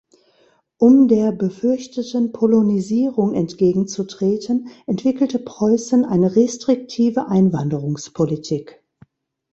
Um der befürchteten „Polonisierung“ entgegenzutreten, entwickelte Preußen eine restriktive Einwanderungspolitik.